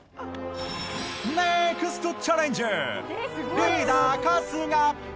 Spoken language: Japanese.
ネクストチャレンジャー！リーダー春日。